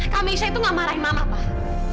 kak mesya itu gak marahin mama pak